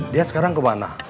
dia sekarang kemana